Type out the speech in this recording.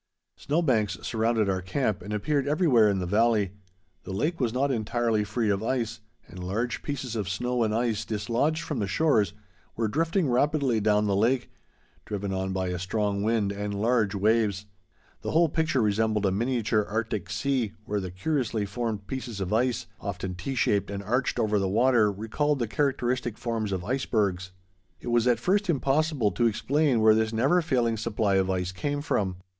Snow banks surrounded our camp and appeared everywhere in the valley. The lake was not entirely free of ice, and large pieces of snow and ice, dislodged from the shores, were drifting rapidly down the lake, driven on by a strong wind and large waves. The whole picture resembled a miniature Arctic sea, where the curiously formed pieces of ice, often T shaped and arched over the water, recalled the characteristic forms of icebergs. It was at first impossible to explain where this never failing supply of ice came from.